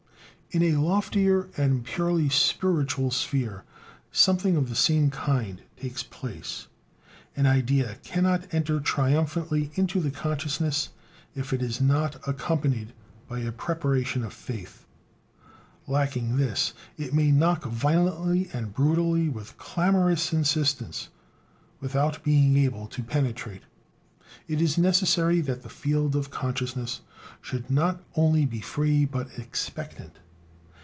In a loftier and purely spiritual sphere something of the same kind takes place: an idea cannot enter triumphantly into the consciousness, if it is not accompanied by a preparation of faith. Lacking this, it may knock violently and brutally, with clamorous insistence, without being able to penetrate. It is necessary that the field of consciousness should be not only free, but "expectant."